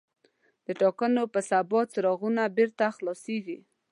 د ټاکنو په سبا څراغونه بېرته خلاصېږي.